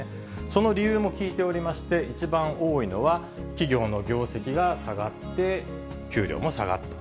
その理由も聞いておりまして、一番多いのは、企業の業績が下がって、給料も下がった。